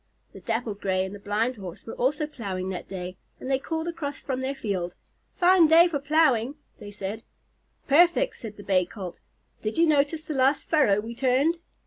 The Dappled Gray and the Blind Horse were also plowing that day, and they called across from their field. "Fine day for plowing," they said. "Perfect," answered the Bay Colt. "Did you notice the last furrow we turned?